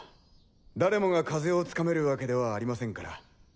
誰もが風を掴めるわけではありませんから。